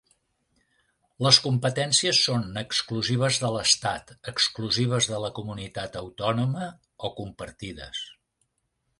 Les competències són exclusives de l'Estat, exclusives de la comunitat autònoma o compartides.